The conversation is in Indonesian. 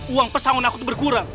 uang pesangon aku berkurang